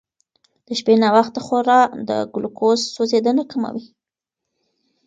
د شپې ناوخته خورا د ګلوکوز سوځېدنه کموي.